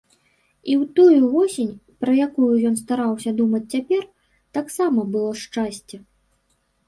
І ў тую восень, пра якую ён стараўся думаць цяпер, таксама было шчасце.